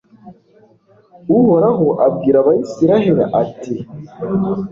uhoraho abwira abayisraheli, ati